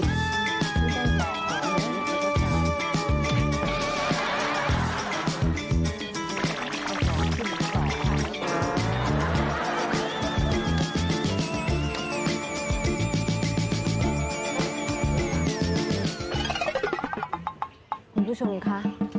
คุณผู้ชมคะ